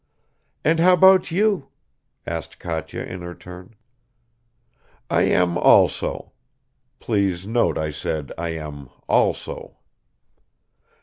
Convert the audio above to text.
"And how about you?" asked Katya in her turn. "I am also. Please note I said, I am also."